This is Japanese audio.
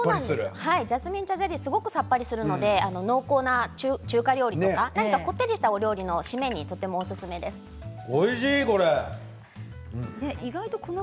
ジャスミン茶ゼリー、すごくさっぱりするので濃厚な中華料理とか何かこってりした料理の締めにおいしい、これ。